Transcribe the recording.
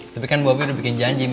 tapi kan bobi udah bikin janji